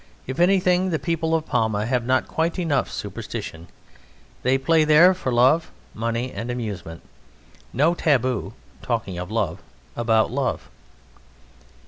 If anything, the people of Palma have not quite enough superstition. They play there for love, money, and amusement. No taboo (talking of love) about love.